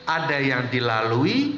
ada yang dilalui